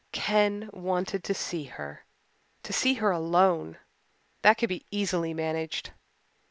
Ken wanted to see her to see her alone. That could be easily managed.